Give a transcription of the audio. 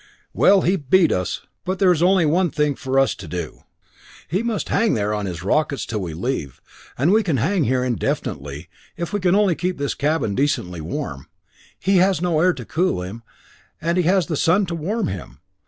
"Well, he beat us! But there is only one thing for us to do. He must hang there on his rockets till we leave, and we can hang here indefinitely, if we can only keep this cabin decently warm. He has no air to cool him, and he has the sun to warm him.